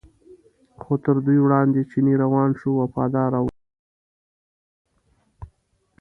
خو تر دوی وړاندې چینی روان شو وفاداره و.